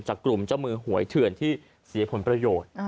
กลุ่มเจ้ามือหวยเถื่อนที่เสียผลประโยชน์